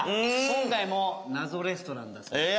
今回も謎レストランだそうですよ。